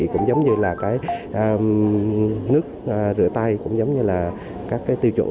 cũng giống như là cái nước rửa tay cũng giống như là các cái tiêu chuẩn